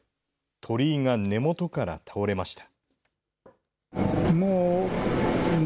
鳥居が根本から倒れました。